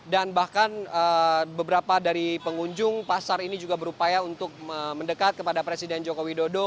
dan bahkan beberapa dari pengunjung pasar ini juga berupaya untuk mendekat kepada presiden jokowi dodo